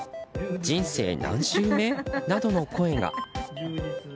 人生何周目？などの声が。